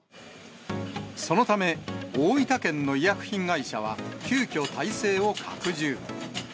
そのため、大分県の医薬品会社は急きょ体制を拡充。